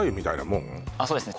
そうですね